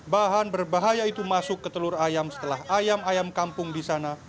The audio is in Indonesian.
bahan berbahaya itu masuk ke telur ayam setelah ayam ayam kampung di sana